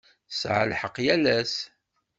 Tesɛa lḥeq yal ass.